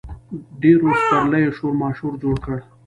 ډېرو سپرلیو شورماشور جوړ کړ.